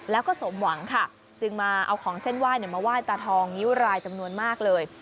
แล้วก็สมหวังค่ะจึงมาเอาของเส้นไหว้มาไหว้ตาทองนิ้วรายจำนวนมากเลย